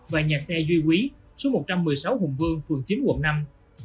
và nhà xe duy quý số một trăm một mươi sáu hùng vương phường chín quận năm